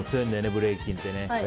ブレイキンってね。